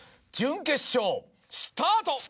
準決勝スタート！